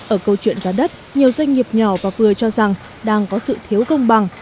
ở câu chuyện giá đất nhiều doanh nghiệp nhỏ và vừa cho rằng đang có sự thiếu công bằng